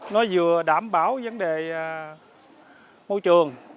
nó vừa đảm bảo vấn đề môi trường